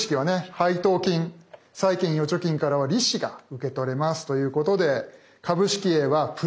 配当金債券・預貯金からは利子が受け取れますということで株式Ａは＋４，０００円。